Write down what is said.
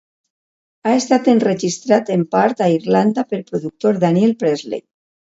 Ha estat enregistrat en part a Irlanda pel productor Daniel Presley.